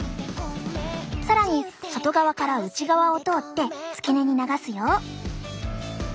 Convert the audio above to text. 更に外側から内側を通って付け根に流すよ。